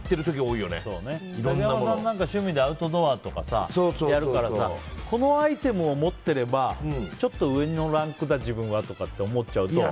いろいろ趣味でアウトドアとかやるからさこのアイテムを持ってればちょっと上のランクだ自分はとか思っちゃうと。